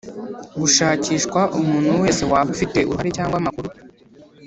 gushakishwa umuntu wese waba ufite uruhare cyangwa amakuru